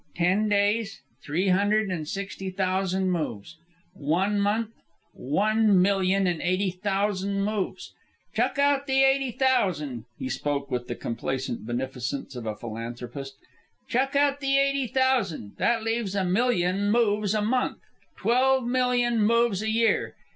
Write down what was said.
Ten days, three hundred an' sixty thousan' moves. One month, one million an' eighty thousan' moves. Chuck out the eighty thousan'" he spoke with the complacent beneficence of a philanthropist "chuck out the eighty thousan', that leaves a million moves a month twelve million moves a year.